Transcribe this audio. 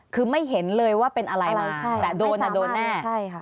คือไม่เห็นเลยว่าเป็นอะไรมาแต่โดนนะโดนแน่